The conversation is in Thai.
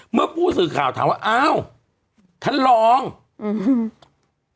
เมื่อผู้สื่อข่าวถามว่าอ้าวท่านรองอืม